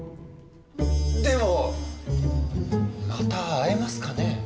でもまた会えますかね？